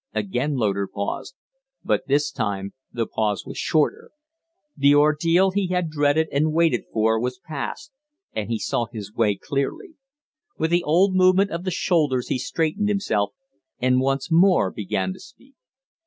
Again Loder paused, but this time the pause was shorter. The ordeal he had dreaded and waited for was passed and he saw his way clearly. With the old movement of the shoulders he straightened himself and once more began to speak.